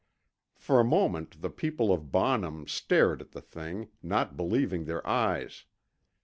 For a moment, the people of Bonham stared at the thing, not believing their eves.